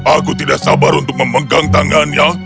aku tidak sabar untuk memegang tangannya